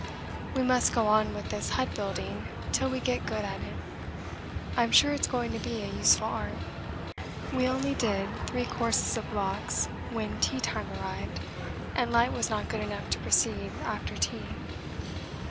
We must go on with this hut building till we get good at it. I'm sure it's going to be a useful art. We only did three courses of blocks when tea time arrived, and light was not good enough to proceed after tea.